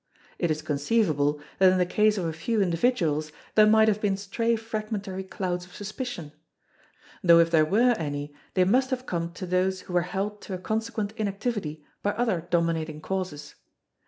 It is conceivable that in the case of a few individuals there might have been stray fragmentary clouds of suspicion; though if there were any they must have come to those who were held to a consequent inactivity by other dominating causes.